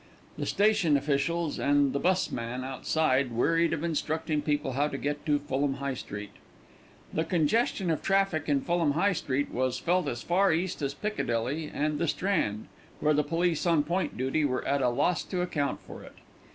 The station officials and the bus men outside wearied of instructing people how to get to Fulham High Street. The congestion of traffic in Fulham High Street was felt as far east as Piccadilly and the Strand, where the police on point duty were at a loss to account for it.